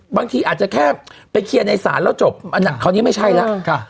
บางทีอาจจะแค่ไปเคลียร์ในสารแล้วจบอันนั้นเขานี้ไม่ใช่แล้วค่ะ